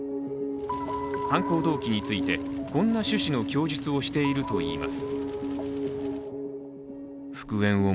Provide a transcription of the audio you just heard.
犯行動機については、こんな趣旨の供述をしているといいます。